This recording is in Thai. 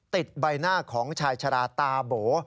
ติดใบหน้าของชายชราตาโบ